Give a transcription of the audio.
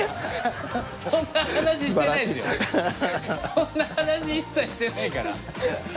そんな話一切してないから。